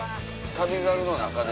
『旅猿』の中でも。